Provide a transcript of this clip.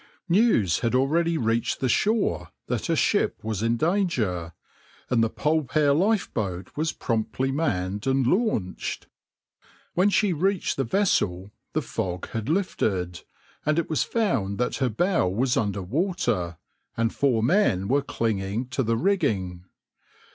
\par News had already reached the shore that a ship was in danger, and the Polpear lifeboat was promptly manned and launched. When she reached the vessel the fog had lifted, and it was found that her bow was under water, and four men were clinging to the rigging.